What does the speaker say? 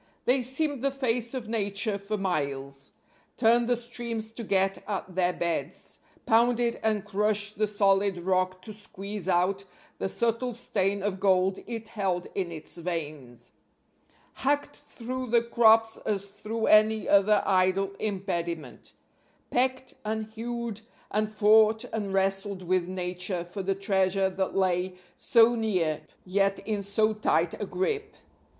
They seamed the face of Nature for miles; turned the streams to get at their beds; pounded and crushed the solid rock to squeeze out the subtle stain of gold it held in its veins; hacked through the crops as through any other idle impediment; pecked and hewed and fought and wrestled with Nature for the treasure that lay so near yet in so tight a grip.